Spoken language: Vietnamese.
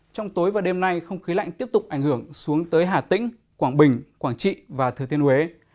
trong tối và đêm nay không khí lạnh tiếp tục ảnh hưởng xuống tới hà tĩnh quảng bình quảng trị và thừa thiên huế